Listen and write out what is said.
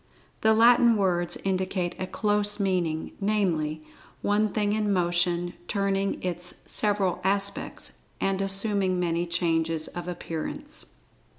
The Latin words indicate a close meaning, namely, One thing in motion, turning its several aspects, and assuming many changes of appearance.